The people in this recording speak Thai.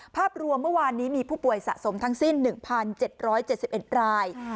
ภาพรวมเมื่อวานนี้มีผู้ป่วยสะสมทั้งสิ้น๑๗๗๑ราย